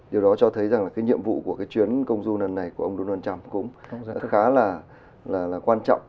điều đó cho thấy rằng là cái nhiệm vụ của cái chuyến công du lần này của ông donald trump cũng khá là quan trọng